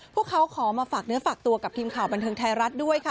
พวกเขาขอมาฝากเนื้อฝากตัวกับทีมข่าวบันเทิงไทยรัฐด้วยค่ะ